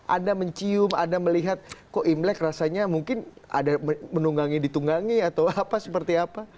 anda mencium anda melihat kok imlek rasanya mungkin ada menunggangi ditunggangi atau apa seperti apa